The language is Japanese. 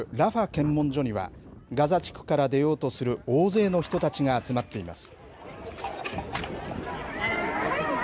検問所にはガザ地区から出ようとする大勢の人たちが集まっています。